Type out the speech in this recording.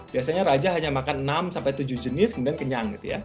biasanya raja hanya makan enam sampai tujuh jenis kemudian kenyang gitu ya